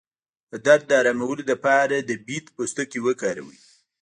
د درد د ارامولو لپاره د بید پوستکی وکاروئ